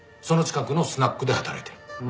その近くのスナックで働いてる。